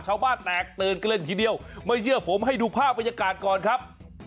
ชาวบ้านแตกตื่นกันเลยทีเดียวไม่เชื่อผมให้ดูภาพบรรยากาศก่อนครับ